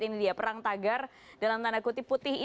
ini dia perang tagar dalam tanda kutip putih